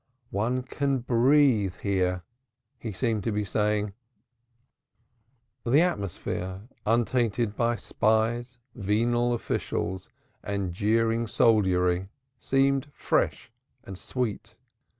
"One can breathe here," he seemed to be saying. The atmosphere, untainted by spies, venal officials, and jeering soldiery, seemed fresh and sweet.